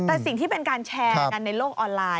แต่สิ่งที่เป็นการแชร์กันในโลกออนไลน